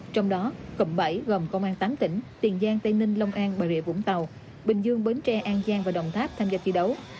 trong đó cộng bảy gồm công an tám tỉnh tiền giang tây ninh long an bà rịa vũng tàu bình dương bến tre an giang và đồng tháp tham gia thi đấu